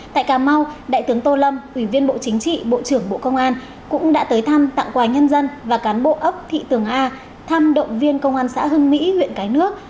tại cà mau đại tướng tô lâm ủy viên bộ chính trị bộ trưởng bộ công an cũng đã tới thăm tặng quà nhân dân và cán bộ ấp thị tường a thăm động viên công an xã hưng mỹ huyện cái nước